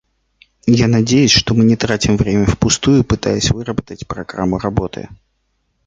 Я надеюсь, что мы не тратим время впустую, пытаясь выработать программу работы.